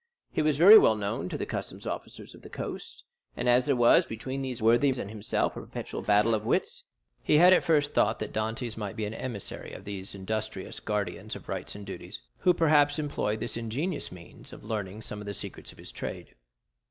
He was very well known to the customs officers of the coast; and as there was between these worthies and himself a perpetual battle of wits, he had at first thought that Dantès might be an emissary of these industrious guardians of rights and duties, who perhaps employed this ingenious means of learning some of the secrets of his trade.